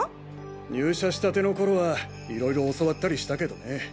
入社したての頃は色々教わったりしたけどね。